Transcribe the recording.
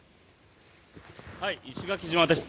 石垣島です。